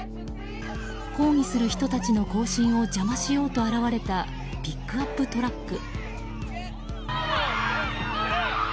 抗議する人たちの行進を邪魔しようと現れたピックアップトラック。